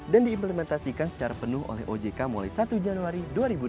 dan diimplementasikan secara penuh oleh ojk mulai satu januari dua ribu delapan belas